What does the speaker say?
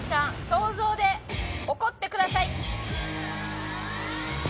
想像で怒ってください！